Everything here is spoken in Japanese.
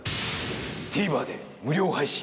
ＴＶｅｒで無料配信。